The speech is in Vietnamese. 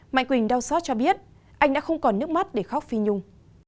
mạnh quỳnh đau xót cho biết anh đã không còn nước mắt để khóc phi nhung